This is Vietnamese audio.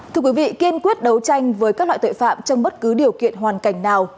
thưa quý vị kiên quyết đấu tranh với các loại tội phạm trong bất cứ điều kiện hoàn cảnh nào